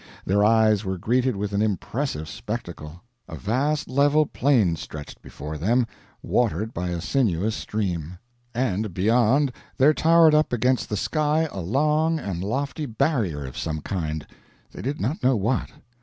Their eyes were greeted with an impressive spectacle. A vast level plain stretched before them, watered by a sinuous stream; and beyond there towered up against the sky a long and lofty barrier of some kind, they did not know what.